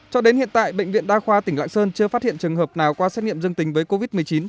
cho đến hiện tại bệnh viện đa khoa tỉnh lạng sơn chưa phát hiện trường hợp nào qua xét nghiệm dương tính với covid một mươi chín